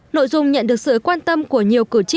nội dung nhận được sự quan tâm của các quốc hội